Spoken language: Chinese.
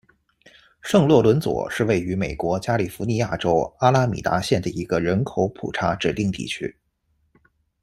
圣洛伦佐是位于美国加利福尼亚州阿拉米达县的一个人口普查指定地区。